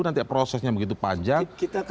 nanti prosesnya begitu panjang